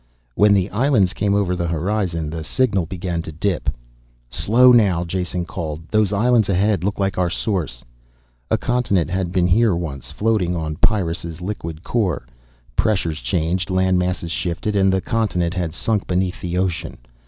When the islands came over the horizon the signal began to dip. "Slow now," Jason called. "Those islands ahead look like our source!" A continent had been here once, floating on Pyrrus' liquid core. Pressures changed, land masses shifted, and the continent had sunk beneath the ocean.